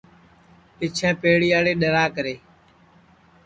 پِچھیں پیڑے یاڑے ڈؔراکرے